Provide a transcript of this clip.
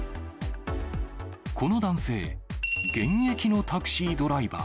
この男性、現役のタクシードライバー。